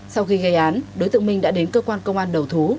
sau khi gây án đối tượng minh đã đến cơ quan công an đầu thú